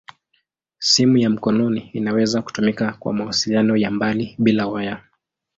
Simu ya mkononi inaweza kutumika kwa mawasiliano ya mbali bila waya.